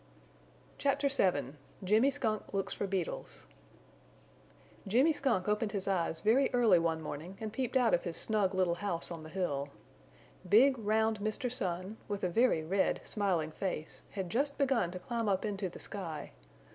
CHAPTER VII JIMMY SKUNK LOOKS FOR BEETLES Jimmy Skunk opened his eyes very early one morning and peeped out of his snug little house on the hill. Big, round Mr. Sun, with a very red, smiling face, had just begun to climb up into the sky.